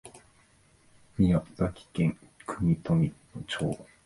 宮崎県国富町